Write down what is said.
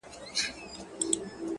اوس له كندهاره روانـېـــږمه ـ